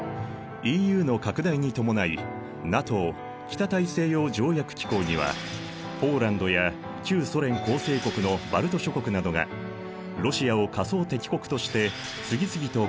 ＥＵの拡大に伴いＮＡＴＯ北大西洋条約機構にはポーランドや旧ソ連構成国のバルト諸国などがロシアを仮想敵国として次々と加盟。